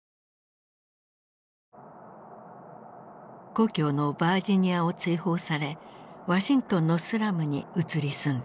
故郷のバージニアを追放されワシントンのスラムに移り住んだ。